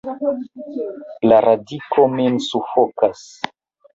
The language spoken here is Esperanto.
La radiko min sufokas!